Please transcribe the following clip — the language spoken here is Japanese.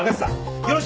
よろしく！